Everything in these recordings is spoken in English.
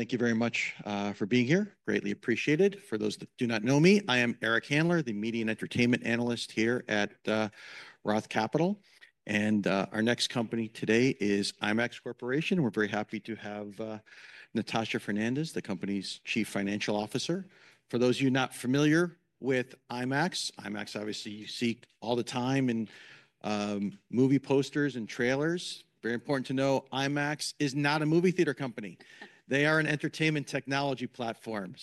Thank you very much for being here. Greatly appreciated. For those that do not know me, I am Eric Handler, the Media and Entertainment Analyst here at Roth Capital. Our next company today is IMAX Corporation. We're very happy to have Natasha Fernandes, the company's Chief Financial Officer. For those of you not familiar with IMAX, IMAX, obviously, you see all the time in movie posters and trailers. Very important to know, IMAX is not a movie theater company. They are an entertainment technology platform.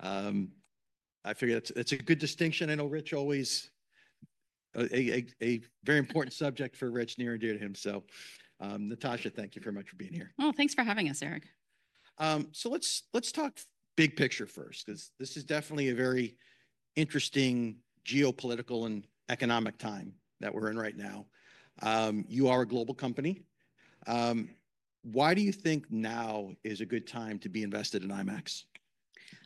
I figure that's a good distinction. I know Rich, always a very important subject for Rich, near and dear to him. Natasha, thank you very much for being here. Thanks for having us, Eric. Let's talk big picture first, because this is definitely a very interesting geopolitical and economic time that we're in right now. You are a global company. Why do you think now is a good time to be invested in IMAX?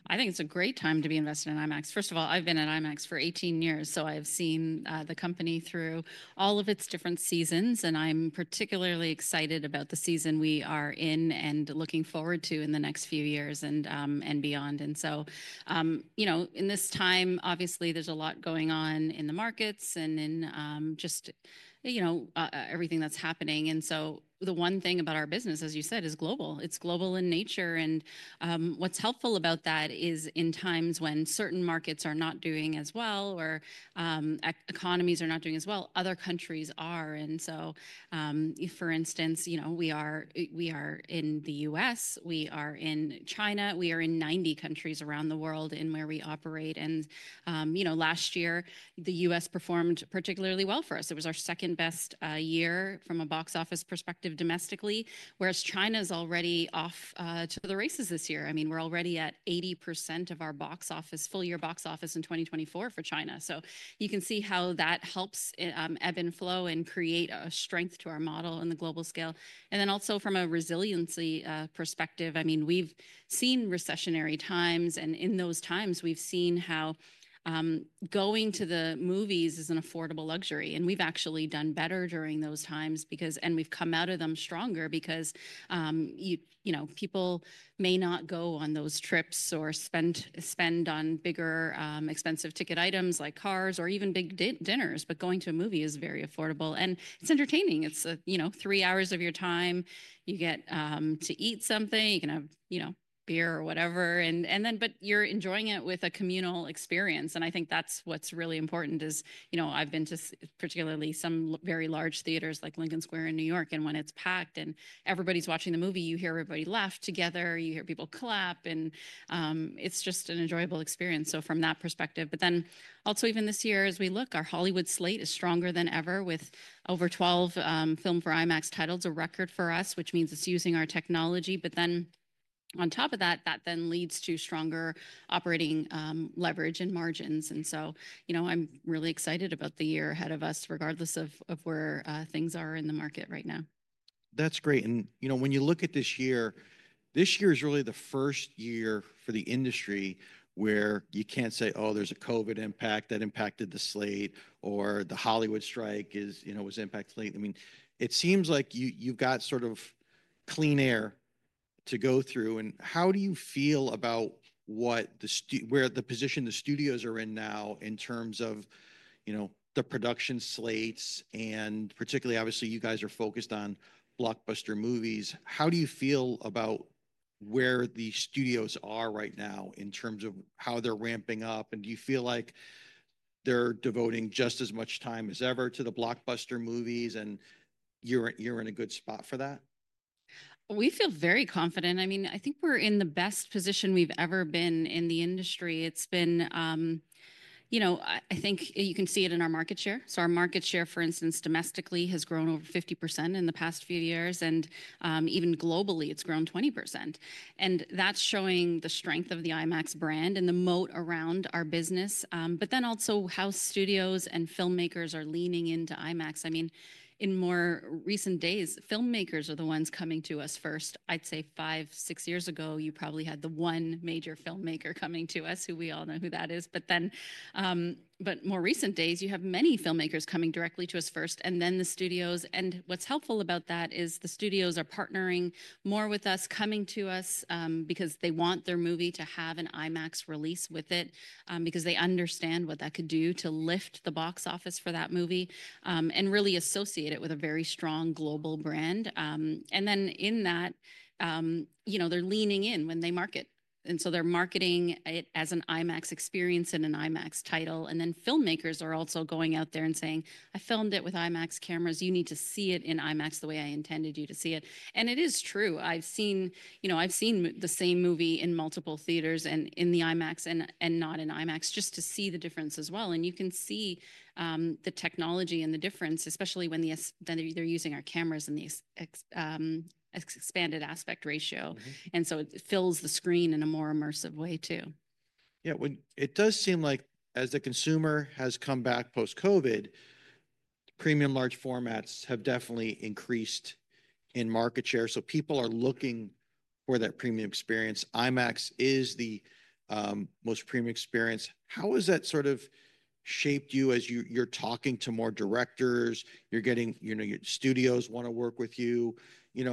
I think it's a great time to be invested in IMAX. First of all, I've been at IMAX for 18 years, so I've seen the company through all of its different seasons. I'm particularly excited about the season we are in and looking forward to in the next few years and beyond. You know, in this time, obviously, there's a lot going on in the markets and in just, you know, everything that's happening. The one thing about our business, as you said, is global. It's global in nature. What's helpful about that is in times when certain markets are not doing as well or economies are not doing as well, other countries are. For instance, you know, we are in the U.S., we are in China, we are in 90 countries around the world in where we operate. You know, last year, the U.S. performed particularly well for us. It was our second best year from a box office perspective domestically, whereas China is already off to the races this year. I mean, we're already at 80% of our box office, full year box office in 2024 for China. You can see how that helps ebb and flow and create a strength to our model on the global scale. Also from a resiliency perspective, I mean, we've seen recessionary times. In those times, we've seen how going to the movies is an affordable luxury. We've actually done better during those times because we've come out of them stronger because, you know, people may not go on those trips or spend on bigger, expensive ticket items like cars or even big dinners. Going to a movie is very affordable. It's entertaining. It's, you know, three hours of your time. You get to eat something, you can have, you know, beer or whatever. You're enjoying it with a communal experience. I think that's what's really important is, you know, I've been to particularly some very large theaters like Lincoln Square in New York. When it's packed and everybody's watching the movie, you hear everybody laugh together, you hear people clap, and it's just an enjoyable experience. From that perspective. Also, even this year, as we look, our Hollywood slate is stronger than ever with over 12 Filmed for IMAX titles, a record for us, which means it's using our technology. On top of that, that then leads to stronger operating leverage and margins. You know, I'm really excited about the year ahead of us, regardless of where things are in the market right now. That's great. You know, when you look at this year, this year is really the first year for the industry where you can't say, oh, there's a COVID impact that impacted the slate or the Hollywood strike is, you know, was impacted slate. I mean, it seems like you've got sort of clean air to go through. How do you feel about where the position the studios are in now in terms of, you know, the production slates? Particularly, obviously, you guys are focused on blockbuster movies. How do you feel about where the studios are right now in terms of how they're ramping up? Do you feel like they're devoting just as much time as ever to the blockbuster movies? You're in a good spot for that? We feel very confident. I mean, I think we're in the best position we've ever been in the industry. It's been, you know, I think you can see it in our market share. Our market share, for instance, domestically has grown over 50% in the past few years. Even globally, it's grown 20%. That's showing the strength of the IMAX brand and the moat around our business. That also shows how studios and filmmakers are leaning into IMAX. I mean, in more recent days, filmmakers are the ones coming to us first. I'd say five, six years ago, you probably had the one major filmmaker coming to us, who we all know who that is. In more recent days, you have many filmmakers coming directly to us first and then the studios. What is helpful about that is the studios are partnering more with us, coming to us because they want their movie to have an IMAX release with it because they understand what that could do to lift the box office for that movie and really associate it with a very strong global brand. In that, you know, they are leaning in when they market. They are marketing it as an IMAX experience and an IMAX title. Filmmakers are also going out there and saying, I filmed it with IMAX cameras. You need to see it in IMAX the way I intended you to see it. It is true. I have seen, you know, I have seen the same movie in multiple theaters and in the IMAX and not in IMAX just to see the difference as well. You can see the technology and the difference, especially when they're using our cameras and the expanded aspect ratio. It fills the screen in a more immersive way too. Yeah, it does seem like as a consumer has come back post-COVID, premium large formats have definitely increased in market share. People are looking for that premium experience. IMAX is the most premium experience. How has that sort of shaped you as you're talking to more directors? You're getting, you know, your studios want to work with you. You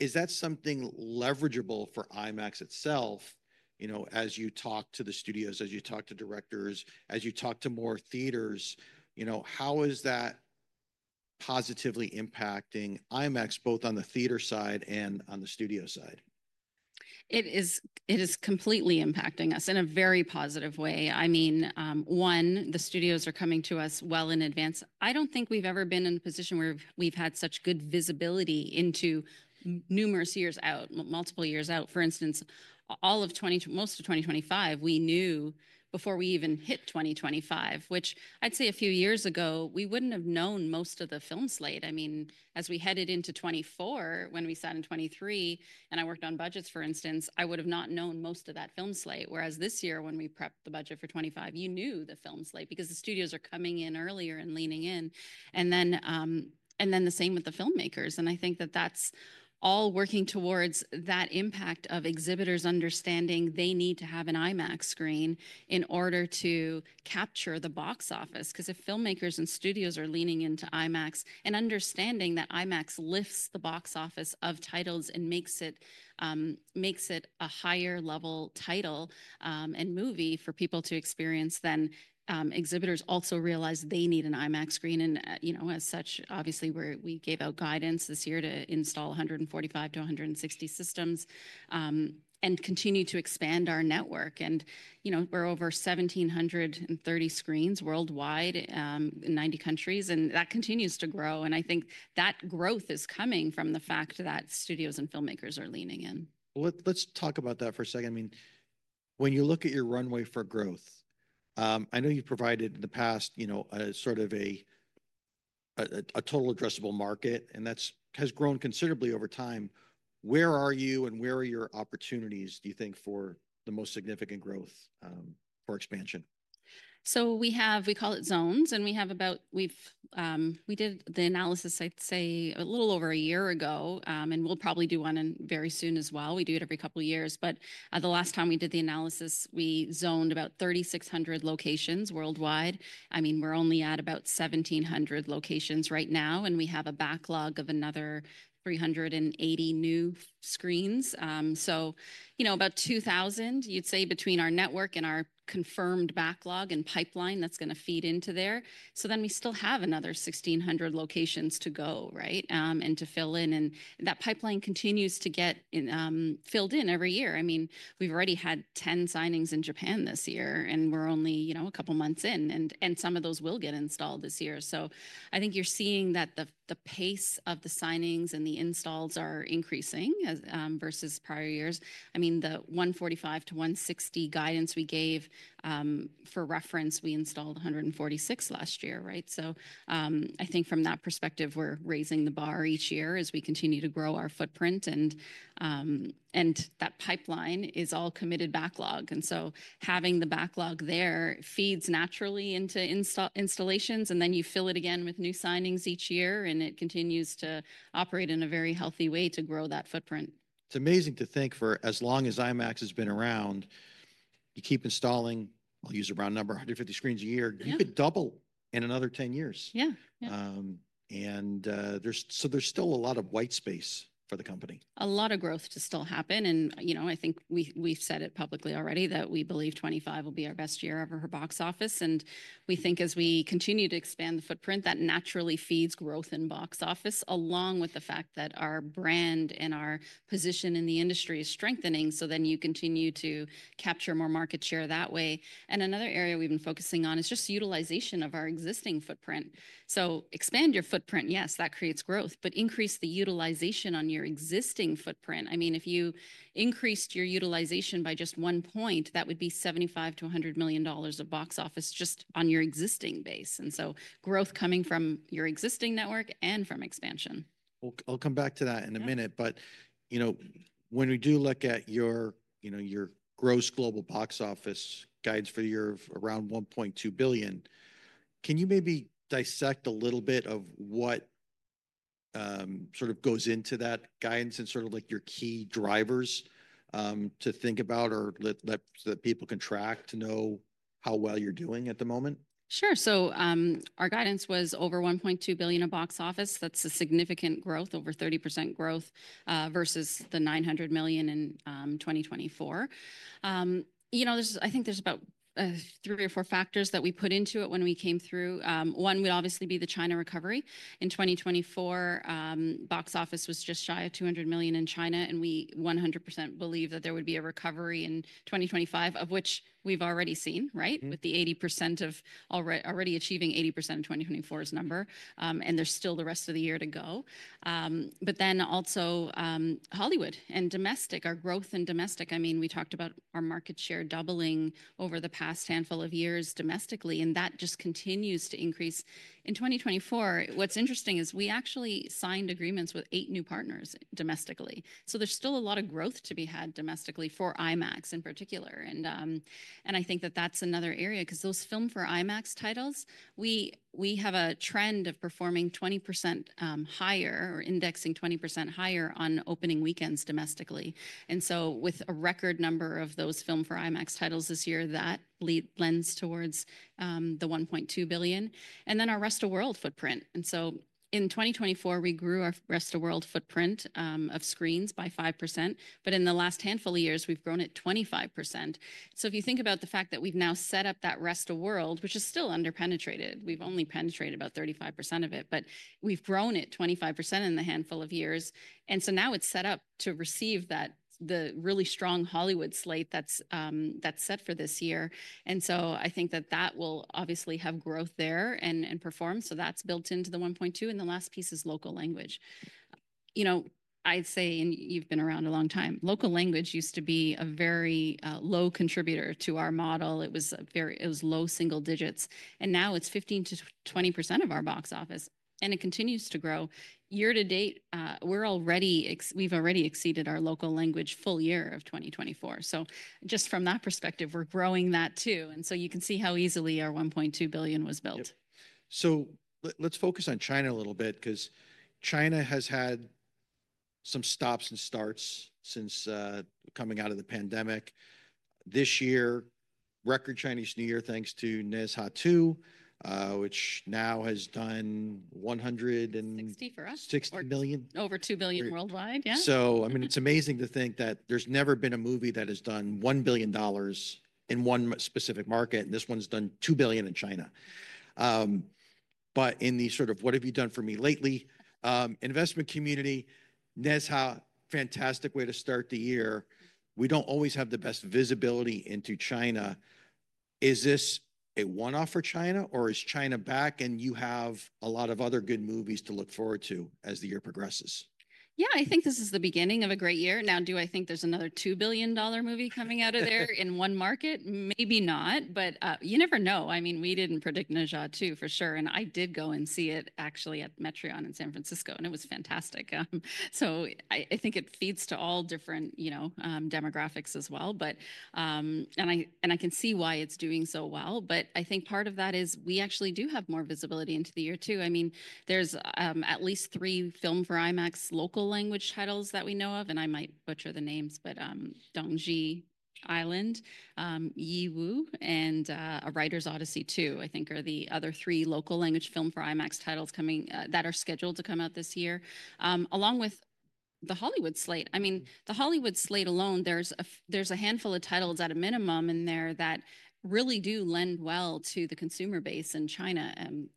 know, is that something leverageable for IMAX itself, you know, as you talk to the studios, as you talk to directors, as you talk to more theaters? You know, how is that positively impacting IMAX both on the theater side and on the studio side? It is completely impacting us in a very positive way. I mean, one, the studios are coming to us well in advance. I do not think we have ever been in a position where we have had such good visibility into numerous years out, multiple years out. For instance, all of most of 2025, we knew before we even hit 2025, which I would say a few years ago, we would not have known most of the film slate. I mean, as we headed into 2024, when we sat in 2023 and I worked on budgets, for instance, I would have not known most of that film slate. Whereas this year, when we prepped the budget for 2025, you knew the film slate because the studios are coming in earlier and leaning in. The same with the filmmakers. I think that that's all working towards that impact of exhibitors understanding they need to have an IMAX screen in order to capture the box office. Because if filmmakers and studios are leaning into IMAX and understanding that IMAX lifts the box office of titles and makes it a higher level title and movie for people to experience, then exhibitors also realize they need an IMAX screen. You know, as such, obviously, we gave out guidance this year to install 145-160 systems and continue to expand our network. You know, we're over 1,730 screens worldwide, 90 countries. That continues to grow. I think that growth is coming from the fact that studios and filmmakers are leaning in. Let's talk about that for a second. I mean, when you look at your runway for growth, I know you've provided in the past, you know, sort of a total addressable market, and that has grown considerably over time. Where are you and where are your opportunities, do you think, for the most significant growth for expansion? We have, we call it zones. We have about, we did the analysis, I'd say, a little over a year ago. We'll probably do one very soon as well. We do it every couple of years. The last time we did the analysis, we zoned about 3,600 locations worldwide. I mean, we're only at about 1,700 locations right now. We have a backlog of another 380 new screens. You know, about 2,000, you'd say, between our network and our confirmed backlog and pipeline that's going to feed into there. We still have another 1,600 locations to go, right, and to fill in. That pipeline continues to get filled in every year. I mean, we've already had 10 signings in Japan this year, and we're only, you know, a couple of months in. Some of those will get installed this year. I think you're seeing that the pace of the signings and the installs are increasing versus prior years. I mean, the 145-160 guidance we gave for reference, we installed 146 last year, right? I think from that perspective, we're raising the bar each year as we continue to grow our footprint. That pipeline is all committed backlog. Having the backlog there feeds naturally into installations. You fill it again with new signings each year, and it continues to operate in a very healthy way to grow that footprint. It's amazing to think for as long as IMAX has been around, you keep installing, I'll use a round number, 150 screens a year. You could double in another 10 years. Yeah. There is still a lot of white space for the company. A lot of growth to still happen. You know, I think we've said it publicly already that we believe 2025 will be our best year ever for box office. We think as we continue to expand the footprint, that naturally feeds growth in box office along with the fact that our brand and our position in the industry is strengthening. You continue to capture more market share that way. Another area we've been focusing on is just utilization of our existing footprint. Expand your footprint, yes, that creates growth, but increase the utilization on your existing footprint. I mean, if you increased your utilization by just one point, that would be $75 million-$100 million of box office just on your existing base. Growth coming from your existing network and from expansion. I'll come back to that in a minute. You know, when we do look at your, you know, your gross global box office guidance for the year of around $1.2 billion, can you maybe dissect a little bit of what sort of goes into that guidance and sort of like your key drivers to think about or that people can track to know how well you're doing at the moment? Sure. Our guidance was over $1.2 billion of box office. That's a significant growth, over 30% growth versus the $900 million in 2024. You know, I think there's about three or four factors that we put into it when we came through. One would obviously be the China recovery. In 2024, box office was just shy of $200 million in China. We 100% believe that there would be a recovery in 2025, of which we've already seen, right, with already achieving 80% of 2024's number. There's still the rest of the year to go. Also, Hollywood and domestic, our growth in domestic. I mean, we talked about our market share doubling over the past handful of years domestically. That just continues to increase. In 2024, what's interesting is we actually signed agreements with eight new partners domestically. There is still a lot of growth to be had domestically for IMAX in particular. I think that that is another area because those Filmed for IMAX titles, we have a trend of performing 20% higher or indexing 20% higher on opening weekends domestically. With a record number of those Filmed for IMAX titles this year, that lends towards the $1.2 billion. Our rest of world footprint, in 2024, we grew our rest of world footprint of screens by 5%. In the last handful of years, we have grown at 25%. If you think about the fact that we have now set up that rest of world, which is still underpenetrated, we have only penetrated about 35% of it, but we have grown at 25% in the handful of years. Now it's set up to receive the really strong Hollywood slate that's set for this year. I think that will obviously have growth there and perform. That's built into the $1.2 billion. The last piece is local language. You know, I'd say, and you've been around a long time, local language used to be a very low contributor to our model. It was low single digits. Now it's 15%-20% of our box office. It continues to grow. Year-to-date, we've already exceeded our local language full year of 2024. Just from that perspective, we're growing that too. You can see how easily our $1.2 billion was built. Let's focus on China a little bit because China has had some stops and starts since coming out of the pandemic. This year, record Chinese New Year thanks to Ne Zha 2, which now has done $160 billion. Over $2 billion worldwide. Yeah. I mean, it's amazing to think that there's never been a movie that has done $1 billion in one specific market. And this one's done $2 billion in China. In the sort of what have you done for me lately, investment community, Ne Zha, fantastic way to start the year. We don't always have the best visibility into China. Is this a one-off for China or is China back and you have a lot of other good movies to look forward to as the year progresses? Yeah, I think this is the beginning of a great year. Now, do I think there's another $2 billion movie coming out of there in one market? Maybe not. You never know. I mean, we didn't predict Ne Zha 2 for sure. I did go and see it actually at Metreon in San Francisco. It was fantastic. I think it feeds to all different, you know, demographics as well. I can see why it's doing so well. I think part of that is we actually do have more visibility into the year too. I mean, there's at least three Filmed for IMAX local language titles that we know of. I might butcher the names, but Dongji Island, Yi Wu, and A Writer's Odyssey 2, I think, are the other three local language Filmed for IMAX titles that are scheduled to come out this year, along with the Hollywood slate. I mean, the Hollywood slate alone, there's a handful of titles at a minimum in there that really do lend well to the consumer base in China. Zootopia,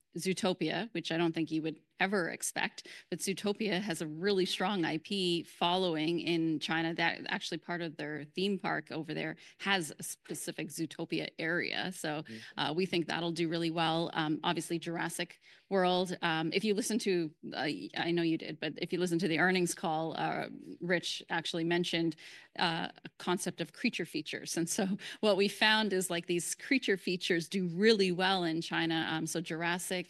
which I don't think you would ever expect, but Zootopia has a really strong IP following in China. That actually part of their theme park over there has a specific Zootopia area. We think that'll do really well. Obviously, Jurassic World, if you listen to, I know you did, but if you listen to the earnings call, Rich actually mentioned a concept of creature features. What we found is like these creature features do really well in China. Jurassic,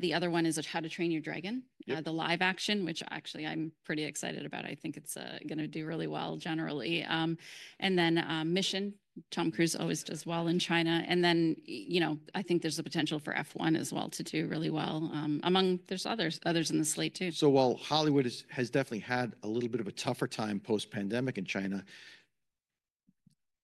the other one is How to Train Your Dragon, the live action, which actually I'm pretty excited about. I think it's going to do really well generally. And then Mission, Tom Cruise always does well in China. And then, you know, I think there's a potential for F1 as well to do really well among others in the slate too. While Hollywood has definitely had a little bit of a tougher time post-pandemic in China,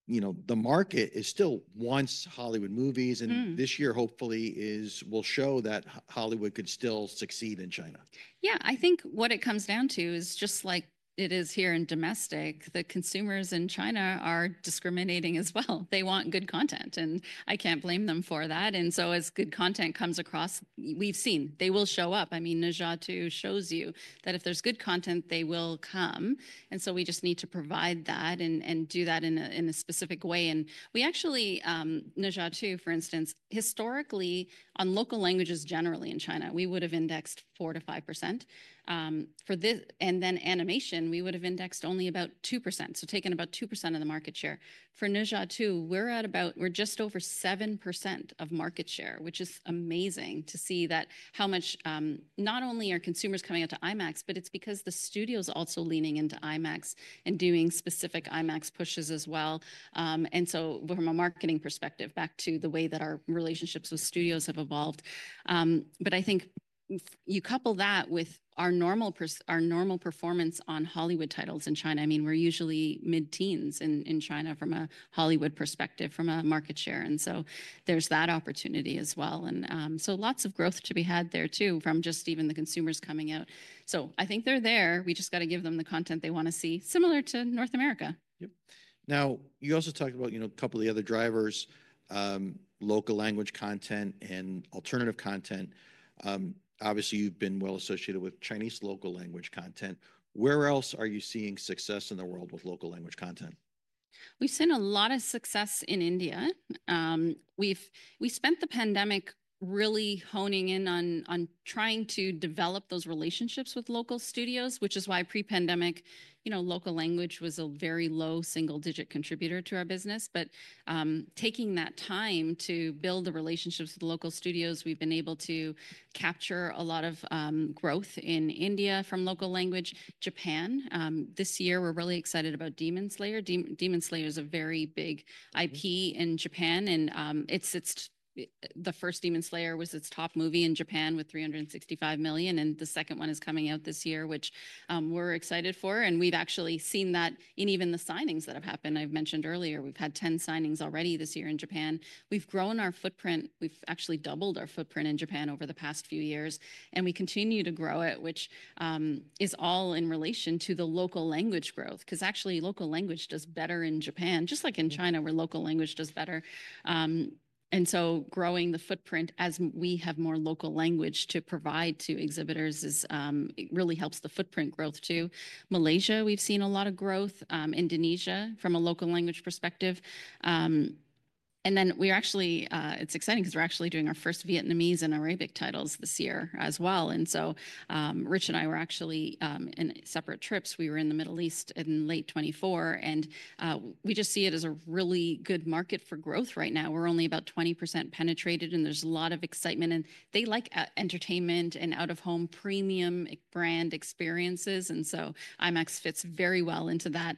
you know, the market still wants Hollywood movies. And this year, hopefully, will show that Hollywood could still succeed in China. Yeah, I think what it comes down to is just like it is here in domestic, the consumers in China are discriminating as well. They want good content. I can't blame them for that. As good content comes across, we've seen they will show up. I mean, Ne Zha 2 shows you that if there's good content, they will come. We just need to provide that and do that in a specific way. We actually, Ne Zha 2, for instance, historically on local languages generally in China, we would have indexed 4%-5%. Animation, we would have indexed only about 2%. Taken about 2% of the market share. For Ne Zha 2, we're at about, we're just over 7% of market share, which is amazing to see that how much not only are consumers coming out to IMAX, but it's because the studio is also leaning into IMAX and doing specific IMAX pushes as well. From a marketing perspective, back to the way that our relationships with studios have evolved. I think you couple that with our normal performance on Hollywood titles in China. I mean, we're usually mid-teens in China from a Hollywood perspective from a market share. There's that opportunity as well. Lots of growth to be had there too from just even the consumers coming out. I think they're there. We just got to give them the content they want to see similar to North America. Yep. Now, you also talked about, you know, a couple of the other drivers, local language content and alternative content. Obviously, you've been well associated with Chinese local language content. Where else are you seeing success in the world with local language content? We've seen a lot of success in India. We've spent the pandemic really honing in on trying to develop those relationships with local studios, which is why pre-pandemic, you know, local language was a very low single-digit contributor to our business. Taking that time to build the relationships with local studios, we've been able to capture a lot of growth in India from local language. Japan, this year, we're really excited about Demon Slayer. Demon Slayer is a very big IP in Japan. The first Demon Slayer was its top movie in Japan with $365 million. The second one is coming out this year, which we're excited for. We've actually seen that in even the signings that have happened. I mentioned earlier, we've had 10 signings already this year in Japan. We've grown our footprint. We've actually doubled our footprint in Japan over the past few years. We continue to grow it, which is all in relation to the local language growth because actually local language does better in Japan, just like in China where local language does better. Growing the footprint as we have more local language to provide to exhibitors really helps the footprint growth too. Malaysia, we've seen a lot of growth, Indonesia from a local language perspective. It's exciting because we're actually doing our first Vietnamese and Arabic titles this year as well. Rich and I were actually in separate trips. We were in the Middle East in late 2024. We just see it as a really good market for growth right now. We're only about 20% penetrated. There's a lot of excitement. They like entertainment and out-of-home premium brand experiences. IMAX fits very well into that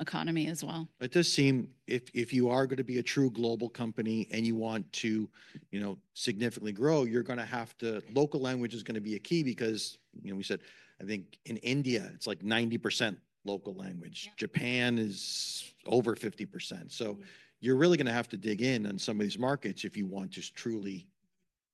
economy as well. It does seem if you are going to be a true global company and you want to, you know, significantly grow, you're going to have to, local language is going to be a key because, you know, we said, I think in India, it's like 90% local language. Japan is over 50%. You are really going to have to dig in on some of these markets if you want to truly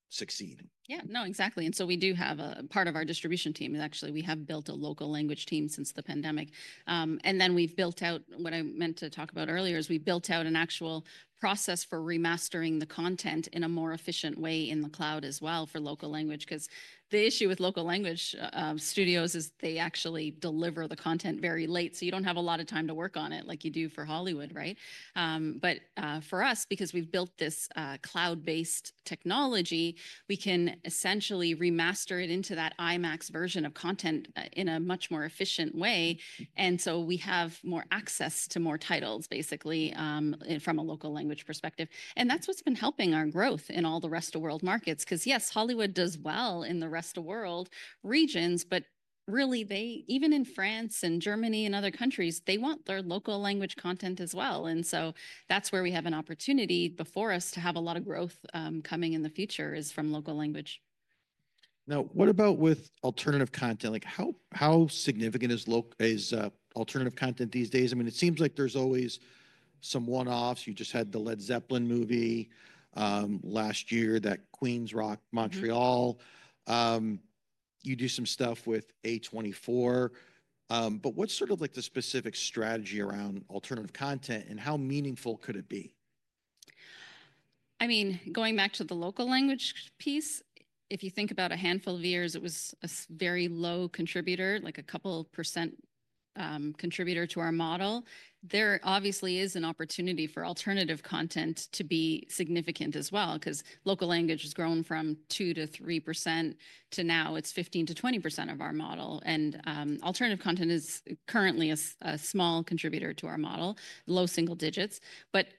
succeed. Yeah, no, exactly. We do have a part of our distribution team, actually we have built a local language team since the pandemic. We have built out, what I meant to talk about earlier is, we built out an actual process for remastering the content in a more efficient way in the cloud as well for local language because the issue with local language studios is they actually deliver the content very late. You do not have a lot of time to work on it like you do for Hollywood, right? For us, because we have built this cloud-based technology, we can essentially remaster it into that IMAX version of content in a much more efficient way. We have more access to more titles basically from a local language perspective. That's what's been helping our growth in all the rest of world markets because yes, Hollywood does well in the rest of world regions. Really, even in France and Germany and other countries, they want their local language content as well. That's where we have an opportunity before us to have a lot of growth coming in the future is from local language. Now, what about with alternative content? Like how significant is alternative content these days? I mean, it seems like there's always some one-offs. You just had the Led Zeppelin movie last year, that Queen: Rock Montreal. You do some stuff with A24. What's sort of like the specific strategy around alternative content and how meaningful could it be? I mean, going back to the local language piece, if you think about a handful of years, it was a very low contributor, like a couple percent contributor to our model. There obviously is an opportunity for alternative content to be significant as well because local language has grown from 2%-3% to now it's 15%-20% of our model. Alternative content is currently a small contributor to our model, low single digits.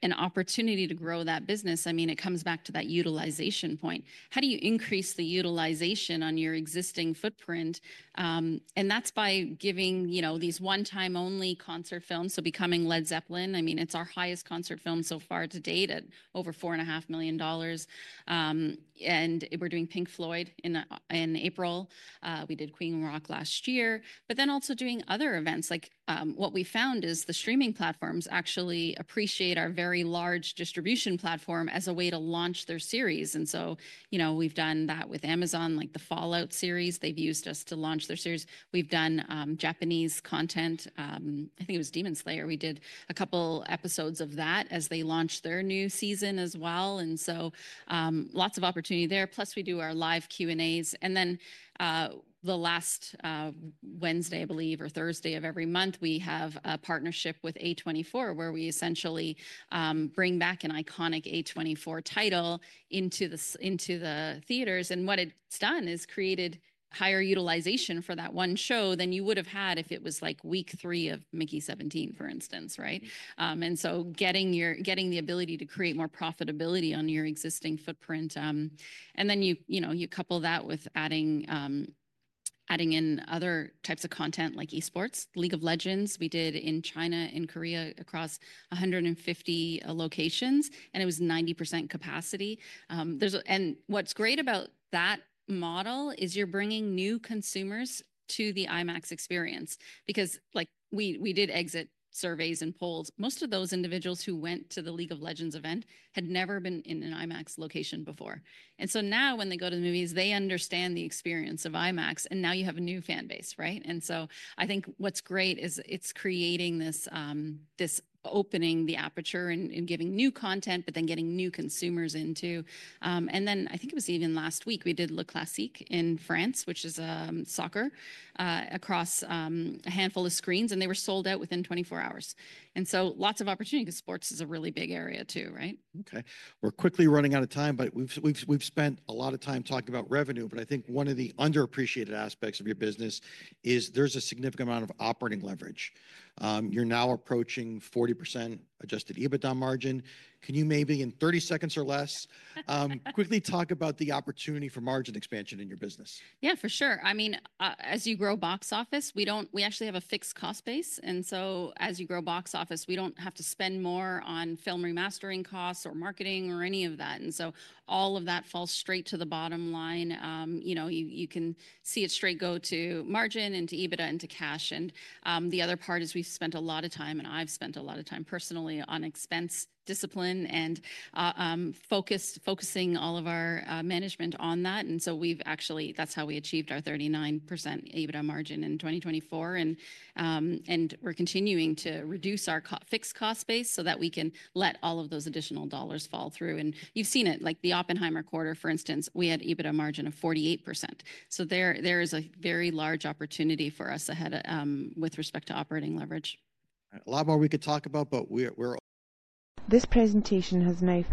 An opportunity to grow that business, I mean, it comes back to that utilization point. How do you increase the utilization on your existing footprint? That's by giving, you know, these one-time only concert films. Becoming Led Zeppelin, I mean, it's our highest concert film so far to date at over $4.5 million. We're doing Pink Floyd in April. We did Queen Rock last year. But then also doing other events. Like what we found is the streaming platforms actually appreciate our very large distribution platform as a way to launch their series. And so, you know, we've done that with Amazon, like the Fallout series they've used us to launch their series. We've done Japanese content. I think it was Demon Slayer. We did a couple episodes of that as they launched their new season as well. And so lots of opportunity there. Plus we do our live Q&As. And then the last Wednesday, I believe, or Thursday of every month, we have a partnership with A24 where we essentially bring back an iconic A24 title into the theaters. And what it's done is created higher utilization for that one show than you would have had if it was like week three of Mickey 17, for instance, right? Getting the ability to create more profitability on your existing footprint. You couple that with adding in other types of content like esports. League of Legends, we did in China, in Korea, across 150 locations. It was 90% capacity. What's great about that model is you're bringing new consumers to the IMAX experience because like we did exit surveys and polls. Most of those individuals who went to the League of Legends event had never been in an IMAX location before. Now when they go to the movies, they understand the experience of IMAX. Now you have a new fan base, right? I think what's great is it's creating this, opening the aperture and giving new content, but then getting new consumers into. I think it was even last week we did Le Classique in France, which is soccer across a handful of screens. They were sold out within 24 hours. Lots of opportunity because sports is a really big area too, right? Okay. We're quickly running out of time, but we've spent a lot of time talking about revenue. I think one of the underappreciated aspects of your business is there's a significant amount of operating leverage. You're now approaching 40% adjusted EBITDA margin. Can you maybe in 30 seconds or less quickly talk about the opportunity for margin expansion in your business? Yeah, for sure. I mean, as you grow box office, we actually have a fixed cost base. As you grow box office, we don't have to spend more on film remastering costs or marketing or any of that. All of that falls straight to the bottom line. You know, you can see it straight go to margin and to EBITDA and to cash. The other part is we've spent a lot of time, and I've spent a lot of time personally on expense discipline and focusing all of our management on that. We've actually, that's how we achieved our 39% EBITDA margin in 2024. We're continuing to reduce our fixed cost base so that we can let all of those additional dollars fall through. You've seen it, like the Oppenheimer quarter, for instance, we had EBITDA margin of 48%. There is a very large opportunity for us ahead with respect to operating leverage. A lot more we could talk about, but we're. This presentation has now.